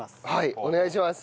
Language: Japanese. お願いします。